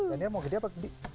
dan dia mau gede apa